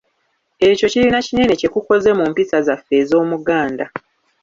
Ekyo kirina kinene kye kukoze mu mpisa zaffe ez’Omuganda.